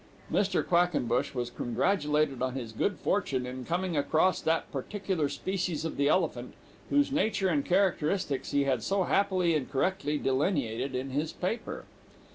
Mr. Quackenbush was congratulated on his good fortune in coming across that particular species of the elephant, whose nature and characteristics he had so happily and correctly delineated in his paper.